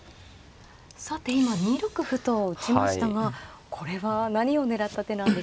さて今２六歩と打ちましたがこれは何を狙った手なんでしょうか。